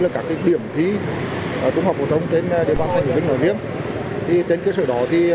bảo quản đề thi bảo quản đề thi bảo quản đề thi bảo quản đề thi